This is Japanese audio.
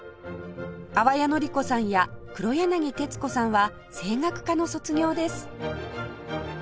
淡谷のり子さんや黒柳徹子さんは声楽科の卒業です